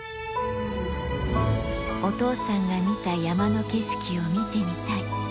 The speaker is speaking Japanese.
お父さんが見た山の景色を見てみたい。